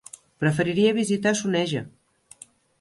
Preferiria visitar Soneja.